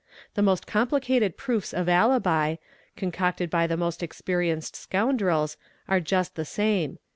The most complicated proofs of alibi, concocted by the most experienced scoundrels, are just the same.